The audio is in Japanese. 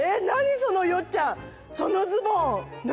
そのよっちゃんそのズボン何？